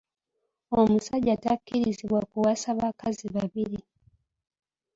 Omusajja takkirizibwa kuwasa bakazi babiri.